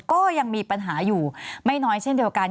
ก็ยังมีปัญหาอยู่ไม่น้อยเช่นเดียวกัน